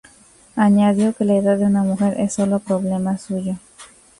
Añadió que la edad de una mujer es sólo problema suyo.